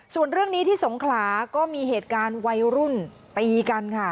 ส่วนเรื่องนี้ที่สงขลาก็มีเหตุการณ์วัยรุ่นตีกันค่ะ